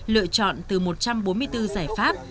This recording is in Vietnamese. lựa chọn từ một trăm bốn mươi bốn giải pháp